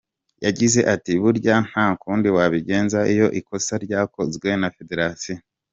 Yagize ati “Burya nta kundi wabigenza iyo ikosa ryakozwe na federation.